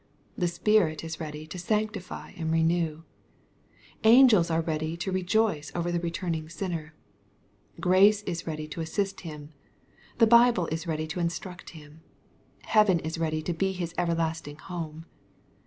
The Spirit is ready to sanctify and renew. Angels are ready to rejoice over the returning sinner. Grace is ready to assist him. The Bible is ready to instruct him. Heaven is ready to be his everlasting home.